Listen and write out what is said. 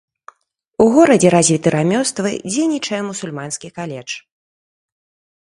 У горадзе развіты рамёствы, дзейнічае мусульманскі каледж.